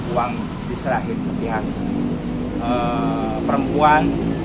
uang diserahkan pihak perempuan